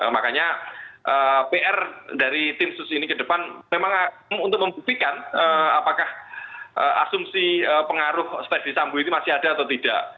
makanya pr dari tim sus ini ke depan memang untuk membuktikan apakah asumsi pengaruh spesi sambu ini masih ada atau tidak